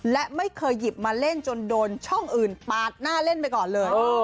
และไม่เคยหยิบมาเล่นจนโดนช่องอื่นปาดหน้าเล่นไปก่อนเลย